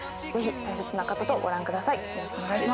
ぜひ大切な方とご覧ください。